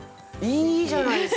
いいじゃないですか。